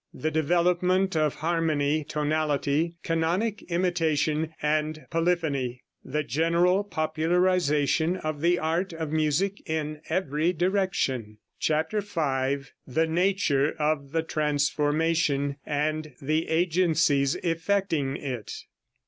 THE DEVELOPMENT OF HARMONY, TONALITY, CANONIC IMITATION AND POLYPHONY. THE GENERAL POPULARIZATION OF THE ART OF MUSIC IN EVERY DIRECTION. CHAPTER V. THE NATURE OF THE TRANSFORMATION, AND THE AGENCIES EFFECTING IT.